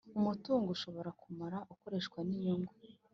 Umutungo ushobora kumara ukoreshwa n inyungu